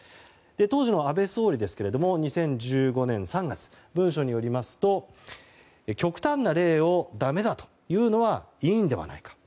当時の安倍総理ですが２０１５年３月文書によりますと極端な例をだめだというのはいいのではないか。